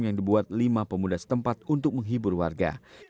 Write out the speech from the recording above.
yang dibuat lima pemuda setempat untuk menghibur warga